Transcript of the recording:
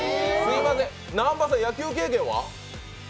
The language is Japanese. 南波さん、野球経験は？